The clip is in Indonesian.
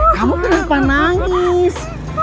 kamu kenapa nangis